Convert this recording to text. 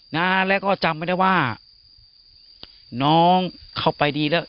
นะแล้วก็จำไม่ได้ว่าน้องเข้าไปดีแล้ว